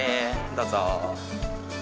どうぞ。